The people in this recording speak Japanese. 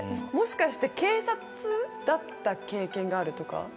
もしかして警察だった経験があるとか？